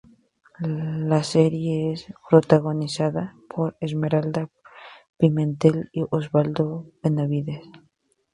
La serie es protagonizada por Esmeralda Pimentel y Osvaldo Benavides.